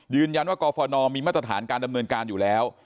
ยืนยันว่ากรฟนมีมาตรฐานการดำเนินการอยู่แล้ว